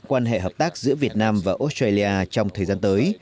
quan hệ hợp tác giữa việt nam và australia trong thời gian tới